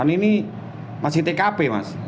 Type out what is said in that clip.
ini masih tkp mas